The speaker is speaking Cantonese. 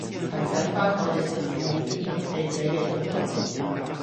提醒番我哋同事要尊重記者嘅工作